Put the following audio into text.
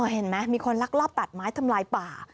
เห็นไหมมีคนลักลอบตัดไม้ทำลายป่า